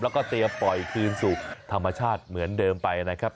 แล้วก็เตรียมปล่อยคืนสู่ธรรมชาติเหมือนเดิมไปนะครับ